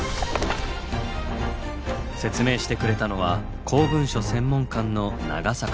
説明してくれたのは公文書専門官の長坂さん。